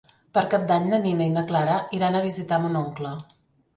Per Cap d'Any na Nina i na Clara iran a visitar mon oncle.